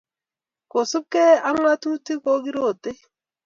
kosubgei ak ng'atutik ko kirotei